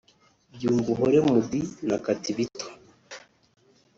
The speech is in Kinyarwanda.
Byumvuhore Muddy na Katibito